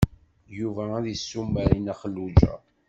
Yuba ad isumer i Nna Xelluǧa.